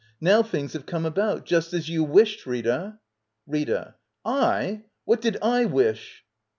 Now things have come about — just as you wished, Rita. •.^ITA. // What did / wish?